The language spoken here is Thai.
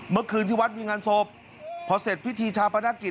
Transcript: เมื่อคืนที่วัดมีงานศพพอเสร็จพิธีชาปนกิจ